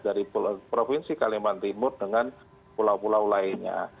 dari provinsi kalimantan timur dengan pulau pulau lainnya